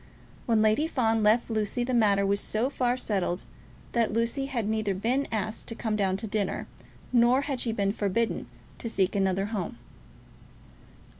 When Lady Fawn left Lucy the matter was so far settled that Lucy had neither been asked to come down to dinner, nor had she been forbidden to seek another home.